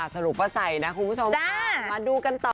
สรุปว่าใส่นะคุณผู้ชมค่ะมาดูกันต่อ